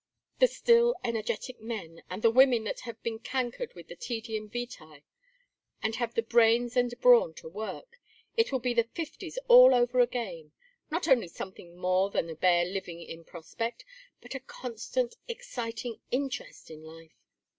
The still energetic men, and the women that have been cankered with the tedium vitæ, and have the brains and brawn to work. It will be the Fifties all over again not only something more than a bare living in prospect, but a constant, exciting, interest in life.